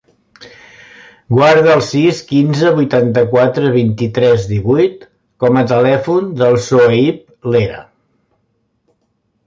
Guarda el sis, quinze, vuitanta-quatre, vint-i-tres, divuit com a telèfon del Sohaib Lera.